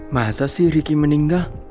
masa sih ricky meninggal